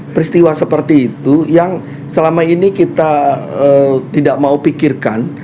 peristiwa seperti itu yang selama ini kita tidak mau pikirkan